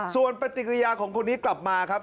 ส่วนปฏิกิริยาของคนนี้กลับมาครับ